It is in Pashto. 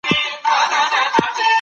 که د منظور پښتین د خبري پر اساس.